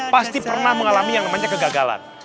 pasti pernah mengalami yang namanya kegagalan